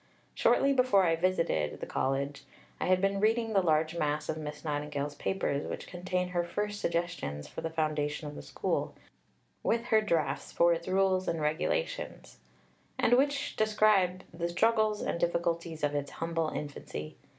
Shortly before I visited the College, I had been reading the large mass of Miss Nightingale's papers which contain her first suggestions for the foundation of the school, with her drafts for its rules and regulations; and which describe the struggles and difficulties of its humble infancy.